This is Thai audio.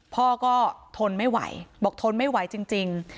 พ่อก็ทนไม่ไหวบอกทนไม่ไหวจริง